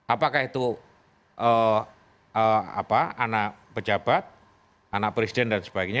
apakah itu anak pejabat anak presiden dan sebagainya